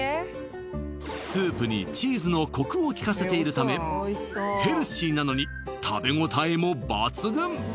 スープにチーズのコクをきかせているためヘルシーなのに食べ応えも抜群！